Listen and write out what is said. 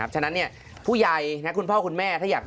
ฉะนั้นผู้ใหญ่คุณพ่อคุณแม่